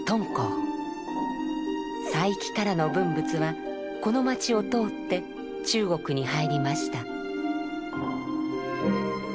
西域からの文物はこの町を通って中国に入りました。